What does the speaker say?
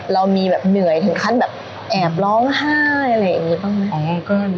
เรามีแบบเหนื่อยถึงขั้นแบบแอบร้องไห้อะไรอย่างนี้บ้างไหม